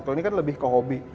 kalau ini kan lebih ke hobi